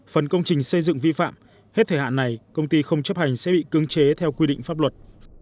phần công trình xây dựng vi phạm hết thời hạn này công ty không chấp hành sẽ bị cưỡng chế theo quy định pháp luật